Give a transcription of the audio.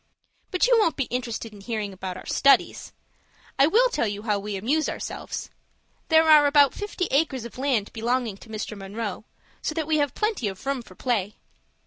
"But you won't be interested in hearing about our studies. I will tell you how we amuse ourselves. There are about fifty acres of land belonging to Mr. Munroe; so that we have plenty of room for play.